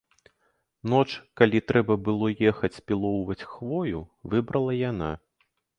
Ноч, калі трэба было ехаць спілоўваць хвою, выбрала яна.